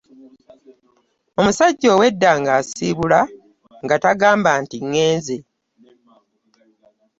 Omusajja ow’edda ng’asiibula nga tagamba nti, “ngenze!